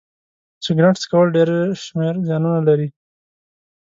سيګرټ څکول ډيری شمېر زيانونه لري